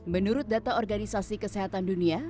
menurut data organisasi kesehatan dunia